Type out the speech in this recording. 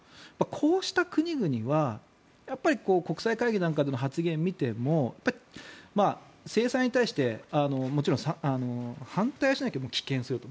こうした国々は国際会議なんかでの発言を見ても制裁に対して、もちろん反対はしないけど棄権すると。